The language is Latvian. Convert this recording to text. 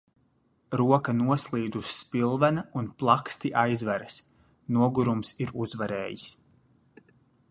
Roka noslīd uz spilvena un plaksti aizveras. Nogurums ir uzvarējis.